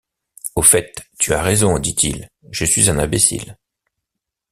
Au fait, tu as raison, dit-il, je suis un imbécile.